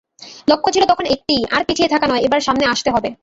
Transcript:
লক্ষ্য ছিল তখন একটিই—আর পিছিয়ে থাকা নয়, এবার সামনে আসতে হবে।